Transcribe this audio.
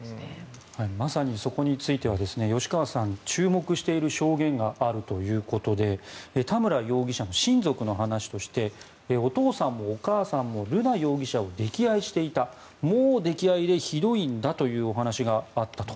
まさにそこについては吉川さん注目している証言があるということで田村容疑者の親族の話としてお父さんもお母さんも瑠奈容疑者を溺愛していたもう溺愛でひどいんだというお話があったと。